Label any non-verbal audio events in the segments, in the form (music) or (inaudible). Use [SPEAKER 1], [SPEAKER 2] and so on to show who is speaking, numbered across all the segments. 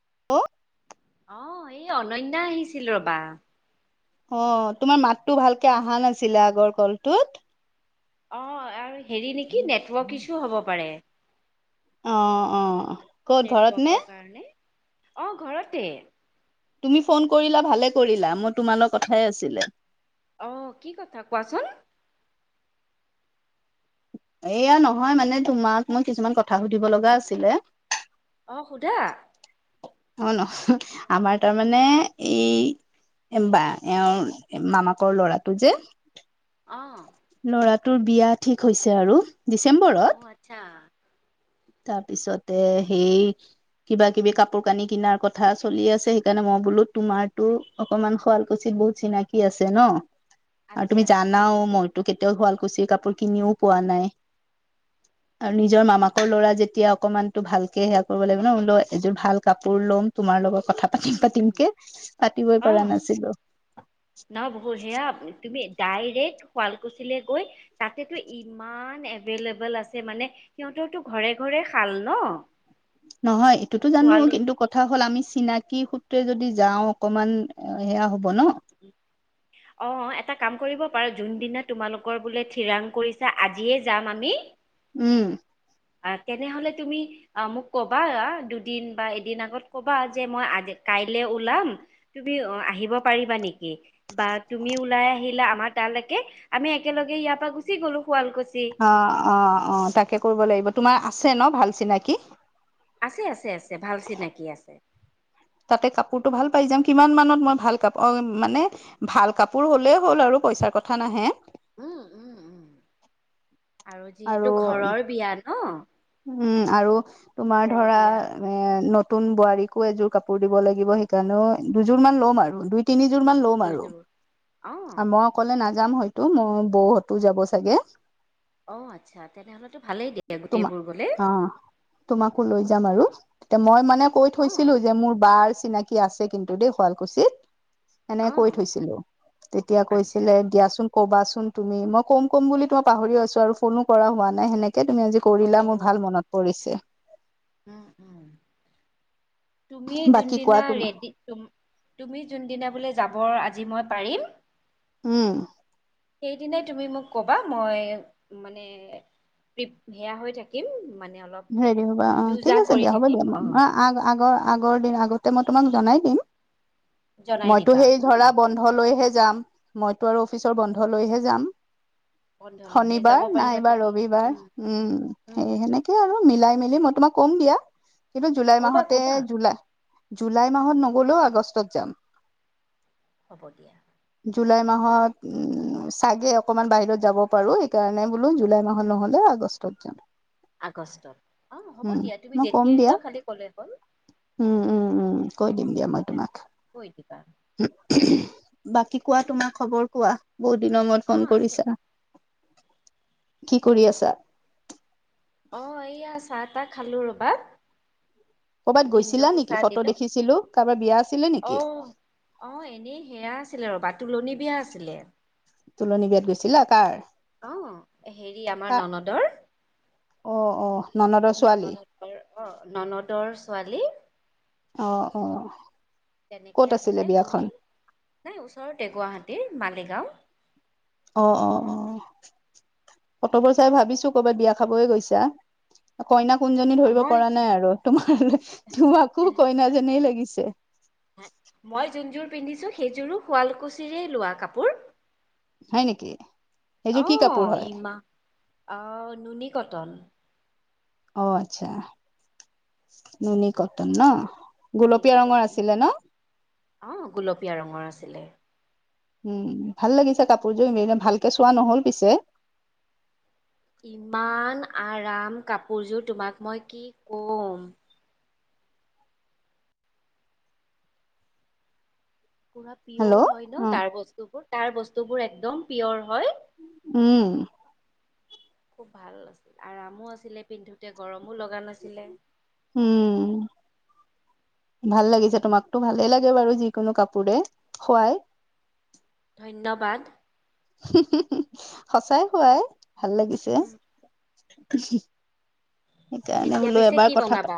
[SPEAKER 1] (inaudible)
[SPEAKER 2] অহ, এই অনন্যা আহিছিল ৰবা।
[SPEAKER 1] অহ, তোমাৰ মাতটো ভালকে আহা নাছিলে আগৰ কলটোত।
[SPEAKER 2] অহ, আৰু হেৰি নেকি নেটৱাৰ্ক ইছু হ'ব পাৰে।
[SPEAKER 1] অহ-অহ, ক'ত ঘৰত নে?
[SPEAKER 2] ভালণে? অহ, ঘৰতে
[SPEAKER 1] তুমি ফোন কৰিলা ভালে কৰিলা মই তোমালৈ কথাই আছিলে
[SPEAKER 2] অহ, কি কথা কোৱাচোন।
[SPEAKER 1] এয়া নহয় মানে তোমাক মই কিছুমান কথা সুধিব লগা আছিলে।
[SPEAKER 2] অহ, সুধা
[SPEAKER 1] অহ, নহয় আমাৰ তাৰমানে এই হেমবা এওঁৰ মামাকৰ ল'ৰাটো যে
[SPEAKER 2] অহ
[SPEAKER 1] ল'ৰাটোৰ বিয়া ঠিক হৈছে আৰু
[SPEAKER 2] অ
[SPEAKER 1] ডিচেম্বৰত।
[SPEAKER 2] আচ্ছা।
[SPEAKER 1] তাৰপিছতে সেই কিবা-কিবি কাপোৰ-কানি কিনাৰ কথা চলি আছে সেইকাৰণে মই বোলো তোমাৰতো অকমান শুৱালকুছিত বহুত চিনাকি আছে ন?
[SPEAKER 2] (inaudible)
[SPEAKER 1] আৰু তুমি
[SPEAKER 2] আছে
[SPEAKER 1] জানাও
[SPEAKER 2] চিনাকি আছে
[SPEAKER 1] মইটো কেতিয়াও তেওঁ শুৱালকুছিৰ কাপোৰ কিনিও পোৱা নাই আৰু নিজৰ মামাক সৰু ল'ৰা যেতিয়া অকনমানতো ভালকে সেয়া কৰিব লাগিব ন লও এযোৰ ভাল কাপোৰ ল'ম তোমাৰ লগত কথা পাতি
[SPEAKER 2] উম
[SPEAKER 1] পাতিম পাতিম
[SPEAKER 2] উম
[SPEAKER 1] কে পাতিবই পৰা নাছিলো।
[SPEAKER 2] নাও বহু সেয়া তুমি ডাইৰেক্ট শুৱালকুছিলে গৈ তাতেতো ইমান এভেইএলেবল আছে মানে। সিহঁতৰতো ঘৰে ঘৰে শাল ন।
[SPEAKER 1] নহয় এইটোতো জানো
[SPEAKER 2] শুৱাল
[SPEAKER 1] কিন্তু কথা কথা হ'ল আমি চিনাকি সূত্ৰে যদি যাওঁ অকমান সেয়া হ'ব ন।
[SPEAKER 2] উম (unintelligible) অহ এটা কাম কৰিব পাৰোঁ যোনদিনা তোমালোকৰ বোলে ঠিৰাং কৰিছা আজিয়ে যাম আমি
[SPEAKER 1] উম
[SPEAKER 2] আহ তেনেহলে তুমি অহ মোক কবা আহ দুদিন বা এদিন আগত কবা যে মই আজি কাইলে ওলাম তুমি অহ আহিব পাৰিবা নেকি বা তুমি ওলাই আহিলা আমাৰ তালেকে আমি একেলগে ইয়াৰ পৰা গুচি গলো শুৱালকুছি
[SPEAKER 1] অহ অহ অহ তাকে কৰিব লাগিব তোমাৰ আছে ন ভাল চিনাকি।
[SPEAKER 2] আছে আছে আছে ভাল চিনাকি আছে।
[SPEAKER 1] তাতে কাপোৰটো ভাল পাই যাম কিমান মানত মই ভাল কাপোৰ অহ মানে। ভাল কাপোৰ হ'লেই হ'ল আৰু পইচাৰ কথা নাহে
[SPEAKER 2] উম উম উম আৰু যিহেতু ঘৰৰ বিয়া ন।
[SPEAKER 1] উম আৰু তোমাৰ
[SPEAKER 2] ঘৰৰ
[SPEAKER 1] ধৰা
[SPEAKER 2] বিয়া
[SPEAKER 1] এ নতুন বোৱাৰীকো, এযোৰ কাপোৰ দিব লাগিব। সেইকাৰণেও, দুযোৰ মান ল'ম আৰু, দুই তিনিযোৰ মান ল'ম আৰু।
[SPEAKER 2] দুযোৰ অ
[SPEAKER 1] মই অকলে নাযাম হয়তো মোৰ, বৌ হতো যাব চাগে।
[SPEAKER 2] অ', আচ্ছা। তেনেহ'লেতো ভালেই দিয়ক,
[SPEAKER 1] তোমা
[SPEAKER 2] গোটেইবোৰ গ'লে।
[SPEAKER 1] অ', তোমাকো লৈ যাম আৰু। ত, মই মানে কৈ
[SPEAKER 2] অ
[SPEAKER 1] থৈছিলো, যে মোৰ বাৰ চিনাকী কি আছে কিন্তু দেই, শুৱালকুছিত। এনেকে
[SPEAKER 2] অ
[SPEAKER 1] কৈ থৈছিলো, তেতিয়া
[SPEAKER 2] আচ্ছা
[SPEAKER 1] কৈছিলে দিয়াচোন কবাচোন তুমি, মই ক'ম-কম বুলি তোমাৰ পাহৰি আছো, আৰু ফোনো কৰা হোৱা নাই। সেনেকে তুমি আজি
[SPEAKER 2] অ
[SPEAKER 1] কৰিলা, মোৰ ভাল মনত পৰিছে।
[SPEAKER 2] উম-উম, তুমি
[SPEAKER 1] বাকী কোৱা
[SPEAKER 2] যোনদিনা
[SPEAKER 1] তোমাৰ
[SPEAKER 2] ৰেডি তুমি যোনদিনা বোলে যাব, আজি মই পাৰিম
[SPEAKER 1] উম।
[SPEAKER 2] সেইদিনাই তুমি মোক কবা, মই মানে (unintelligible) সেয়া হৈ থাকিম। মানে অলপ
[SPEAKER 1] ৰেডি হ'বা অ',
[SPEAKER 2] যো জা
[SPEAKER 1] ঠিক আছে
[SPEAKER 2] কৰি
[SPEAKER 1] দিয়া, হ'ব
[SPEAKER 2] থাকিম
[SPEAKER 1] দিয়া,
[SPEAKER 2] অ
[SPEAKER 1] অ-আগ-আগৰ, আগৰ দিন তে, মই তোমাক জনাই দিম,
[SPEAKER 2] জনাই
[SPEAKER 1] মইতো
[SPEAKER 2] দিবা
[SPEAKER 1] হেই
[SPEAKER 2] উম
[SPEAKER 1] ধৰা ব বন্ধ লৈহে যাম, মইতো আৰু অফিচৰ বন্ধ লৈহে যাম।
[SPEAKER 2] বন্ধলৈহে যাব
[SPEAKER 1] শনিবাৰ
[SPEAKER 2] পাৰিবা
[SPEAKER 1] নাইবা
[SPEAKER 2] তুমি
[SPEAKER 1] ৰবিবাৰ, উম,
[SPEAKER 2] উম
[SPEAKER 1] সেই সেনেক কেই আৰু মিলাই মেলি, মই তোমাক কম দিয়া, কিন্তু জুলাই
[SPEAKER 2] ক'বা
[SPEAKER 1] মাহতে,
[SPEAKER 2] ক'বা
[SPEAKER 1] জুলাই জুলাই মাহত নগ'লেও, আগষ্টত যাম।
[SPEAKER 2] হ'ব দিয়া।
[SPEAKER 1] জুলাই মাহত, উম চাগে, অকমান বাহিৰত যাব পাৰো। সেইকাৰণে বোলো, জুলাই মাহত নহ'লে আগষ্টত যাম।
[SPEAKER 2] আগষ্টত, অ', হ'ব
[SPEAKER 1] উম
[SPEAKER 2] দিয়া, তুমি
[SPEAKER 1] মই কম
[SPEAKER 2] যেতিয়াই
[SPEAKER 1] দিয়া
[SPEAKER 2] যোৱা, খালি ক'লে হ'ল।
[SPEAKER 1] উম, উম, উম, কৈ দিম দিয়া, মই তোমাক।
[SPEAKER 2] কৈ দিবা
[SPEAKER 1] উ উহো, বাকী কোৱা, তোমাৰ খবৰ কোৱা? বহুত দিনৰ মূৰত
[SPEAKER 2] অ
[SPEAKER 1] ফোন
[SPEAKER 2] আছো
[SPEAKER 1] কৰিছা। কি কৰি আছা?
[SPEAKER 2] অ', এইয়া চাহ - তাহ খালো ৰবা।
[SPEAKER 1] কৰ'বাত গৈছিলা
[SPEAKER 2] ভিনদেউকো
[SPEAKER 1] নেকি?
[SPEAKER 2] চাহ
[SPEAKER 1] ফটো
[SPEAKER 2] দিলো
[SPEAKER 1] দেখিছিলো কাৰোবাৰ বিয়া আছিলে নেকি?
[SPEAKER 2] অঁ', এনেই সেয়া আছিলে ৰবা, তোলনি বিয়া আছিলে।
[SPEAKER 1] তোলনি বিয়াত গৈছিলা, কাৰ?
[SPEAKER 2] অ', হেৰি আমাৰ ননদৰ।
[SPEAKER 1] অঁ', অঁ।
[SPEAKER 2] ননদহতৰ অ', ননদৰ ছোৱালী।
[SPEAKER 1] অ', অ।
[SPEAKER 2] তেনেকে
[SPEAKER 1] ক'ত
[SPEAKER 2] আছিলে
[SPEAKER 1] বিয়াখন
[SPEAKER 2] গ'লো, নাই ওচৰতে গুৱাহাটীৰ মালিগাঁও।
[SPEAKER 1] অ', অ', অহ, ফটবোৰ চাই ভাবিছো কৰ'বাত বিয়া খাবয়ে গৈছা। অ কইনা কোনজনী ধৰিব
[SPEAKER 2] মই
[SPEAKER 1] পৰা নাই আৰু তোমাৰলে তোমাকো কইনাজনীয়ে লাগিছে।
[SPEAKER 2] হে, মই যোনযোৰ পিন্ধিছো সেইযোৰো শুৱালকুছিৰে লোৱা কাপোৰ।
[SPEAKER 1] হয় নেকি সেইযোৰ কি কাপোৰ
[SPEAKER 2] অ',
[SPEAKER 1] হয়
[SPEAKER 2] ইমা অ নুনি কটন।
[SPEAKER 1] অ', আচ্ছা, নুনী কটন ন'?
[SPEAKER 2] নুনী
[SPEAKER 1] গোলপীয়া
[SPEAKER 2] কটন
[SPEAKER 1] ৰঙৰ আছিলে ন'?
[SPEAKER 2] অ', গুলপীয়া ৰঙৰ আছিলে।
[SPEAKER 1] উম, ভাল লাগিছে কাপোৰযোৰ, ইনে ভালকে চোৱা নহল পিছে।
[SPEAKER 2] ইমান আৰাম কাপোৰযোৰ, তোমাক মই কি ক'ম। পুৰা
[SPEAKER 1] হেল্ল'
[SPEAKER 2] পিয়ৰ
[SPEAKER 1] অ
[SPEAKER 2] হয় ন' তাৰ বস্তুবোৰ, তাৰ বস্তুবোৰ একদম পিয়ৰ হয়।
[SPEAKER 1] উম।
[SPEAKER 2] খুব ভাল আছিল, আৰামো আছিলে পিন্ধোতে, গৰমো লগা নাছিলে।
[SPEAKER 1] উম। ভাল লাগিছে তোমাকতো ভালে লাগে বাৰু যিকোনো কাপোৰে খোৱাই।
[SPEAKER 2] ধন্যবাদ।
[SPEAKER 1] (unintelligible) সঁচাই খোৱাই ভাল লাগিছে উহু।
[SPEAKER 2] এতিয়া পিছে কি
[SPEAKER 1] কথা পা
[SPEAKER 2] বনাবা?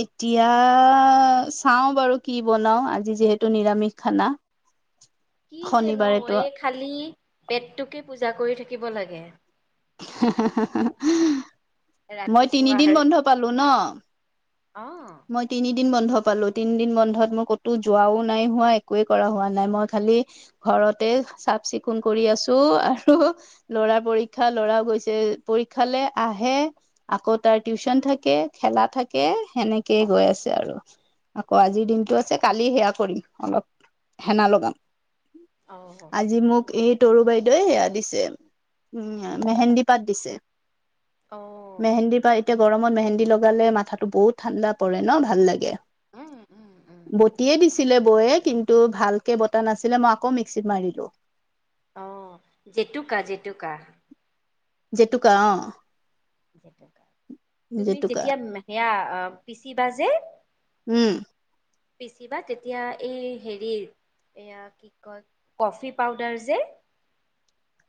[SPEAKER 1] এতিয়া চাওঁ বাৰু কি বনাও আজি যিহেতু নিৰামিষ খানা।
[SPEAKER 2] কি যে ন
[SPEAKER 1] শনিবাৰেতো
[SPEAKER 2] এই খালী পেটটোকে পূজা কৰি থাকিব লাগে।
[SPEAKER 1] (unintelligible) মই
[SPEAKER 2] ৰাতিপুৱাৰ
[SPEAKER 1] তিনিদিন বন্ধ পালো ন?
[SPEAKER 2] অ।
[SPEAKER 1] মই তিনিদিন বন্ধ পালো তিনিদিন বন্ধত মোৰ ক'তো যোৱাও নাই হোৱা একোৱেই কৰা হোৱা নাই, মই খালি ঘৰতে চাফ - চিকুণ কৰি আছো আৰু লৰা পৰীক্ষা লৰাও গৈছে পৰীক্ষালে আহে আকৌ তাৰ টিউচন থাকে, খেলা থাকে। সেনেকেই গৈ আছে আৰু আকৌ আজিৰ দিনটো আছে কালি সেয়া কৰিম অলপ। হেনা লগাম,
[SPEAKER 2] অ
[SPEAKER 1] আজি মোক ই তৰু বাইদেৱে সেয়া দিছে উম মেহেন্দী পাত দিছে।
[SPEAKER 2] অ
[SPEAKER 1] মেহেন্দিৰ পাত এতিয়া গৰমত মেহেন্দী লগালে মাথাটো বহুত ঠাণ্ডা পৰে ন ভাল লাগে।
[SPEAKER 2] উম উম উম
[SPEAKER 1] বটিয়ে দিছিলে বৌয়ে কিন টো ভালকে বতা নাছিলে মই আকৌ মিক্সিত মাৰিলো।
[SPEAKER 2] অ জেতুকা জেতুকা।
[SPEAKER 1] জেতুকা অ।
[SPEAKER 2] জেতুকা, তুমি
[SPEAKER 1] জেতুকা
[SPEAKER 2] যেতিয়া সেয়া আ পিচিবা যে
[SPEAKER 1] উম
[SPEAKER 2] পিচিবা তেতিয়া এই হেৰিৰ এয়া কি কয় কফি পাউদাৰ যে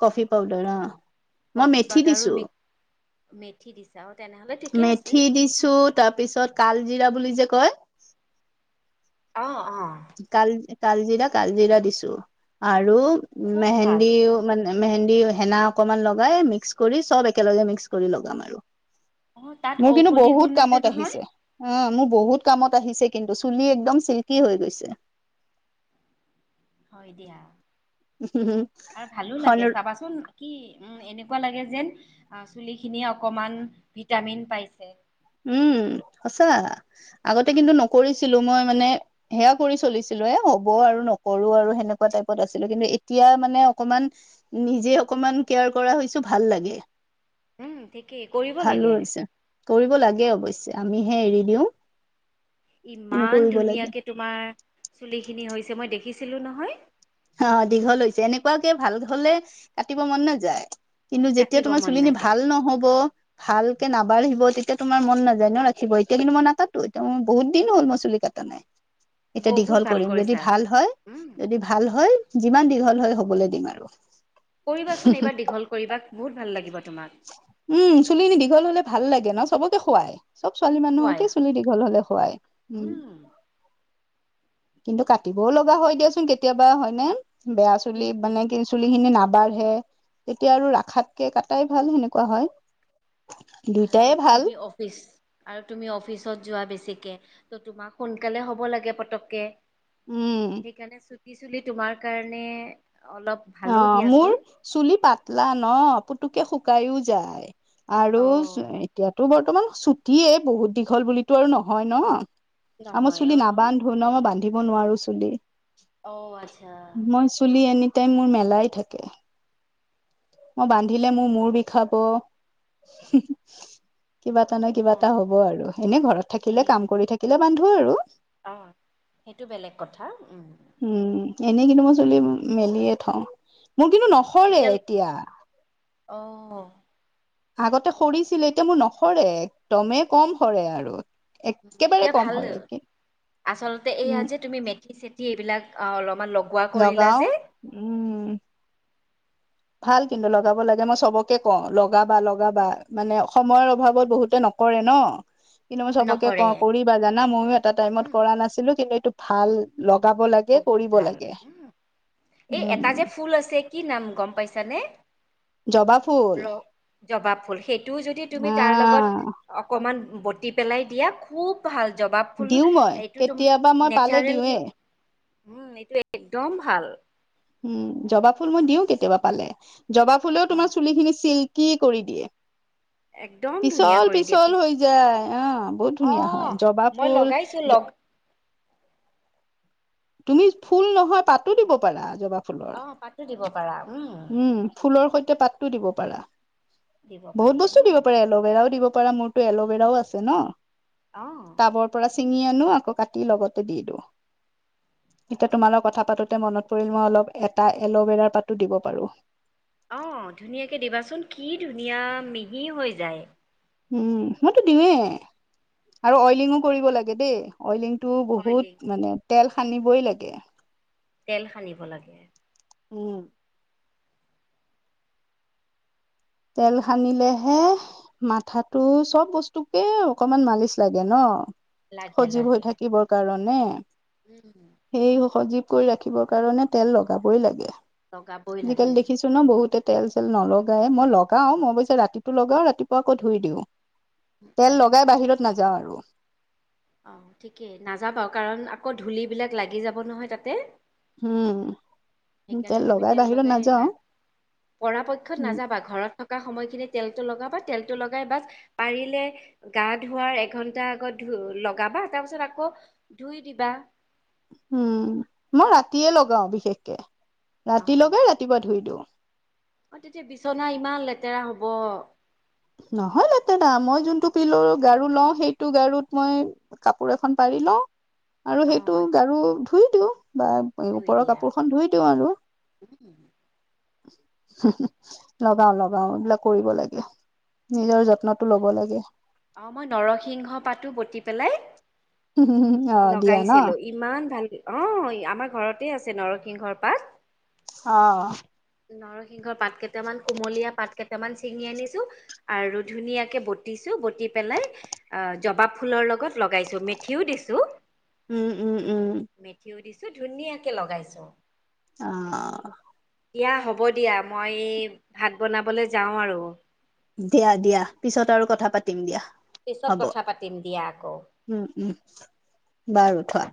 [SPEAKER 1] কফি পাউদাৰ অ মই
[SPEAKER 2] কফি
[SPEAKER 1] মেথি
[SPEAKER 2] পাউদাৰো
[SPEAKER 1] দিছো
[SPEAKER 2] মে মেথি দিছা আৰু অ তেনেহ'লে ঠিকে আছে।
[SPEAKER 1] মেথি দিছো তাৰপিছত কালজিৰা বুলি যে কয়
[SPEAKER 2] অ অ
[SPEAKER 1] কাল কালজিৰা কালজিৰা দিছো আৰু
[SPEAKER 2] খুব ভাল।
[SPEAKER 1] মেহেন্দিও মানে মেহেন্দি হেনা অকনমান লগাই মিক্স কৰি সব একেলগে মিক্স কৰি লগাম আৰু
[SPEAKER 2] অ তাত
[SPEAKER 1] মোৰ কিন্তু
[SPEAKER 2] ঔষধি গুণ
[SPEAKER 1] বহুত
[SPEAKER 2] আছে
[SPEAKER 1] কামত
[SPEAKER 2] নহয়
[SPEAKER 1] আহিছে অ মোৰ বহুত কামত আহিছে কিন্তু চুলি একদম চিল্কি হৈ গৈছে
[SPEAKER 2] হয় দিয়া আৰু ভালো
[SPEAKER 1] সন
[SPEAKER 2] লাগে চাবাচোন কি এনেকুৱা লাগে যেন চুলিখিনিয়ে অকণমান ভিটামিন পাইছে
[SPEAKER 1] উম সঁচা আগতে কিন্তু নকৰিছিলো মই মানে সেয়া কৰি চলিছিলো এ হ'ব আৰু নকৰো আৰু সেনেকুৱা টাইপত আছিলো কিন্তু এতিয়া মানে অকমান নিজে অকমান কেয়াৰ কৰা হৈছো ভাল লাগে
[SPEAKER 2] উম ঠিকেই কৰিব
[SPEAKER 1] ভালো
[SPEAKER 2] লাগে
[SPEAKER 1] হৈছে কৰিব লাগে অৱশ্যে আমিহে এৰি দিওঁ
[SPEAKER 2] ইমান ধুনীয়াকে তোমাৰ চুলিখিনি হৈছে মই দেখিছিলো নহয়
[SPEAKER 1] অ দীঘল হৈছে এনেকুৱাকে ভাল হলে কাটিব মন নাযায় কিন্তু যেতিয়া
[SPEAKER 2] কাটিব
[SPEAKER 1] তোমাৰ
[SPEAKER 2] মন
[SPEAKER 1] চুলিখিনি
[SPEAKER 2] নাযায়
[SPEAKER 1] ভাল নহব ভালকে নাবাঢ়িব তেতিয়া তোমাৰ মন নাযায় ন ৰাখিব এতিয়া কিন্তু মই নাকাতো এতিয়া মই বহুত দিন হ'ল মই চুলি কাটা নাই
[SPEAKER 2] (inaudible)
[SPEAKER 1] এতিয়া দীঘল
[SPEAKER 2] ভাল
[SPEAKER 1] কৰিম যদি
[SPEAKER 2] কৰিছা
[SPEAKER 1] ভাল হয়
[SPEAKER 2] উম।
[SPEAKER 1] যদি ভাল হয় যিমান দীঘল হয় হবলৈ দিম আৰু
[SPEAKER 2] কৰিবাচোন এইবাৰ দীঘল কৰিবা বহুত ভাল লাগিব তোমাক
[SPEAKER 1] উম চুলিখিনি দীঘল হলে ভাল লাগে ন চবকে সুৱাই চব ছোৱালী
[SPEAKER 2] খোৱাই
[SPEAKER 1] মানুহকে চুলি দীঘল হলে শুৱায় উ,
[SPEAKER 2] উম।
[SPEAKER 1] কিন্তু কাটিবও লগা হয়। দিয়াচোন কেতিয়াবা হয়নে? বেয়া চুলি মানে
[SPEAKER 2] সেইটোৱে
[SPEAKER 1] কি? চুলি খিনি নাবঢ়ে তেতিয়া আৰু ৰাখাতকে কটাই ভাল সেনেকুৱা হয়।
[SPEAKER 2] আৰু
[SPEAKER 1] দুইটাই ভাল
[SPEAKER 2] তুমি অফিচ আৰু তুমি অফিচত যোৱা বেছিকৈ ত', তোমাক সোনকালে হব লাগে। পতককে
[SPEAKER 1] উম',
[SPEAKER 2] সেইকাৰণে চুটি চুলি তোমাৰ কাৰণে অলপ ভালো
[SPEAKER 1] অ', মোৰ
[SPEAKER 2] দিয়াচোন।
[SPEAKER 1] চুলি পাতলা ন পুতুকে শুকাইও যায়। আৰু
[SPEAKER 2] অ',
[SPEAKER 1] এতিয়াতো বৰ্তমান ছুটিয়ে বহুত দীঘল বুলিতো আৰু নহয় ন আৰু মই
[SPEAKER 2] নহয়
[SPEAKER 1] চুলি
[SPEAKER 2] অ'।
[SPEAKER 1] নাবান্ধো ন মই বান্ধিব নোৱাৰো চুলি
[SPEAKER 2] অ', আচ্ছা।
[SPEAKER 1] মই চুলি এনি টাইম মোৰ মেলাই থাকে। মই বান্ধিলে মোৰ মূৰ বিষাব কিবা এটা নহয় কিবা এটা
[SPEAKER 2] অ',
[SPEAKER 1] হব আৰু এনে ঘৰত
[SPEAKER 2] সেই
[SPEAKER 1] থাকিলে কাম কৰি থাকিলে। বান্ধো আৰু
[SPEAKER 2] অ', সেইটো বেলেগ কথা
[SPEAKER 1] উম', এনেই কিন্তু মই চুলি মেলিয়ে থওঁ মোৰ কিন্তু
[SPEAKER 2] আহ
[SPEAKER 1] নসৰে
[SPEAKER 2] এতিয়া আহ
[SPEAKER 1] আগতে সৰিছিলে। এতিয়া মোৰ নসৰে একদমেই কম সৰে আৰু
[SPEAKER 2] উ',
[SPEAKER 1] একেবাৰে
[SPEAKER 2] এতিয়া
[SPEAKER 1] কম
[SPEAKER 2] ভাল
[SPEAKER 1] সৰে
[SPEAKER 2] আচলতে এইয়া
[SPEAKER 1] উম
[SPEAKER 2] যে তুমি মেথি চেঠি এইবিলাক অলপমান লগ
[SPEAKER 1] লগাও উ, ভাল কিন্তু, লগাব লাগে মই চবকে কওঁ লগাবা-লগাবা মানে সময়ৰ অভাৱত বহুতে নকৰে ন।
[SPEAKER 2] (inaudible)
[SPEAKER 1] কিন্তু, মই চবকে ক‌ওঁ
[SPEAKER 2] নকৰে।
[SPEAKER 1] কৰিবা জানা মইয়ো এটা টাইমত
[SPEAKER 2] উম
[SPEAKER 1] কৰা নাছিলোঁ কিন্তু এইটো ভাল লগাব লাগে,
[SPEAKER 2] বহুত
[SPEAKER 1] কৰিব
[SPEAKER 2] ভাল
[SPEAKER 1] লাগে।
[SPEAKER 2] উম এই এটা
[SPEAKER 1] উম-উম!
[SPEAKER 2] যে ফুল আছে কি নাম গম পাইছানে?
[SPEAKER 1] জবা ফুল
[SPEAKER 2] ৰ জবা ফুল সেইটোও যদি তুমি তাৰ
[SPEAKER 1] আহ
[SPEAKER 2] লগত অকমান বটি পেলাই দিয়া খুব ভাল জবা ফুল
[SPEAKER 1] দিও মই
[SPEAKER 2] এইটো তুম
[SPEAKER 1] কেতিয়াবা মই পালে
[SPEAKER 2] নেচাৰেল
[SPEAKER 1] দিওঁৱে
[SPEAKER 2] যে উম! এইটো একদম ভাল।
[SPEAKER 1] উম! জবা ফুল মই দিওঁ কেতিয়াবা পালে। জবা ফুলেও
[SPEAKER 2] অ',
[SPEAKER 1] তোমাৰ চুলিখিনি চিল্কি কৰি দিয়ে।
[SPEAKER 2] একদম ধুনীয়া কৰি দিয়ে
[SPEAKER 1] পিছল-পিছল
[SPEAKER 2] পিছ
[SPEAKER 1] হৈ যায়, আহ বহুত
[SPEAKER 2] অ
[SPEAKER 1] ধুনীয়া হয়। জবা
[SPEAKER 2] মই
[SPEAKER 1] ফুল
[SPEAKER 2] লগাইছো লগ
[SPEAKER 1] তুমি ফুল নহয় পাতো দিব পাৰা জবা
[SPEAKER 2] অ
[SPEAKER 1] ফুলৰ।
[SPEAKER 2] পাতো দিব পাৰা উম।
[SPEAKER 1] ফুলৰ সৈতে পাতো দিব পাৰা।
[SPEAKER 2] দিব পাৰি
[SPEAKER 1] বহুত বস্তু
[SPEAKER 2] উম
[SPEAKER 1] দিব পাৰে এইয়াত। এল'ভেৰাও দিব পাৰা, মোৰতো এল'ভেৰাও আছে ন।
[SPEAKER 2] অঁ!
[SPEAKER 1] টাবৰ পৰা ছিঙি আনো আকৌ কাটি লগতে দি দিওঁ। এতিয়া তোমাৰ লগত কথা পাতোতে মনত পৰিল মই অলপ এটা এল'ভেৰাৰ পাতো দিব পাৰোঁ।
[SPEAKER 2] অঁ! ধুনীয়াকে দিবা চোন কি ধুনীয়া মিহি হৈ যায়।
[SPEAKER 1] উম! মইতো দিওঁৱে আৰু অইলিঙো কৰিব লাগে দেই। অইলিংটো
[SPEAKER 2] অইলি
[SPEAKER 1] বহুত মানে তেল সানিবই লাগে।
[SPEAKER 2] তেল সানিব লাগে।
[SPEAKER 1] উম! তেল সানিলেহে মাথাটো চব বস্তুকে অকমান মালিচ লাগে ন।
[SPEAKER 2] লাগে
[SPEAKER 1] সজিব হৈ
[SPEAKER 2] লাগে
[SPEAKER 1] থাকিবৰ কাৰণে।
[SPEAKER 2] উম!
[SPEAKER 1] সেই সজীৱ কৰি ৰাখিবৰ কাৰণে তেল লগাবই লাগে।
[SPEAKER 2] লগাবই লাগে।
[SPEAKER 1] আজিকালি দেখিছোঁ ন বহুতে তেল-চেল নলগাই মই লগাও মই অৱশ্যে ৰাতিটো লগাও ৰাতিপুৱা ধুই দিওঁ।
[SPEAKER 2] উম,
[SPEAKER 1] তেল
[SPEAKER 2] উম।
[SPEAKER 1] লগাই বাহিৰত নাযাওঁ আৰু।
[SPEAKER 2] অঁ! ঠিকেই নাযাবাও কাৰণ আকৌ ধূলিবিলাক লাগি যাব নহয় তাতে।
[SPEAKER 1] উম!
[SPEAKER 2] সেইকাৰণে তুমি তেল লগাই না পৰাপক্ষত
[SPEAKER 1] উম
[SPEAKER 2] নাযাবা ঘৰত থকা থকা সময়খিনি তেলটো লগাবা তেলটো লগাই বাদ পাৰিলে গা ধোৱাৰ এঘন্টা আগত ধু লগা বা এটা পাছত আকৌ ধুই দিবা।
[SPEAKER 1] উম! মই ৰাতিয়ে লগাও বিশেষকে, ৰাতি লগাই
[SPEAKER 2] অ',
[SPEAKER 1] ৰাতিপুৱা ধুই দিওঁ।
[SPEAKER 2] অ! তেতিয়া বিচনা ইমান লেতেৰা হ'ব।
[SPEAKER 1] নহয় লেতেৰা মই যোনটো পিল গাৰু লওঁ সেইটো গাৰুত মই কাপোৰ এখন পাৰি লওঁ আৰু
[SPEAKER 2] অ',
[SPEAKER 1] সেইটো
[SPEAKER 2] আচ্ছা
[SPEAKER 1] গাৰু ধুই দিওঁ বা উম!
[SPEAKER 2] ধুই
[SPEAKER 1] ওপৰৰ
[SPEAKER 2] দিয়া।
[SPEAKER 1] কাপোৰখন ধুই দিওঁ আৰু।
[SPEAKER 2] উম।
[SPEAKER 1] (unintelligible) লগাও-লগাও এইবিলাক কৰিব লাগে, নিজৰ যত্নটো লব লাগে।
[SPEAKER 2] অঁ! মই নৰসিংহ পাতো বতি পেলাই
[SPEAKER 1] অ দিয়া
[SPEAKER 2] লগাইছিলো।
[SPEAKER 1] ন
[SPEAKER 2] ইমান ভাল অঁ আমাৰ ঘৰতে আছে নৰসিংহৰ পাত।
[SPEAKER 1] অ
[SPEAKER 2] নৰসিংহৰ পাত কেইটামান কুমলীয়া পাত কেইটামান ছিঙি আনিছো আৰু ধুনীয়াকে বটিছো বতি পেলাই অ জবা ফুলৰ লগত লগাই মেথিও দিছোঁ
[SPEAKER 1] উম উম উম
[SPEAKER 2] মেথিও দিছোঁ ধুনীয়াকে লগাইছো
[SPEAKER 1] অ
[SPEAKER 2] এয়া হ'ব দিয়া মই এই ভাত বনাবলৈ যাওঁ আৰু
[SPEAKER 1] দিয়া দিয়া পিছত আৰু কথা পাতিম দিয়া
[SPEAKER 2] পিছত
[SPEAKER 1] হ'ব
[SPEAKER 2] কথা পাতিম দিয়া আকৌ।
[SPEAKER 1] উম উম বাৰু থোৱা।